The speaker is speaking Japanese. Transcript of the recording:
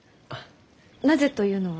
なぜというのは？